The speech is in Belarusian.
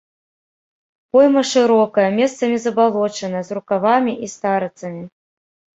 Пойма шырокая, месцамі забалочаная, з рукавамі і старыцамі.